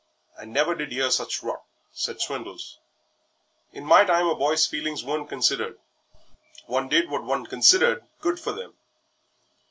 "I never did 'ear such rot," said Swindles. "In my time a boy's feelings weren't considered one did what one considered good for them."